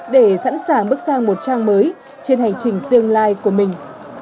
để sẵn sàng bước sang một trang mới trên hành trình tương lai của mình